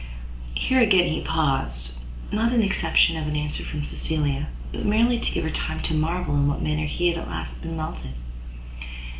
Here again he paused; not in expectation of an answer from Cecilia, but merely to give her time to marvel in what manner he had at last been melted.